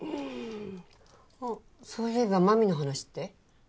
あっそういえば真実の話って？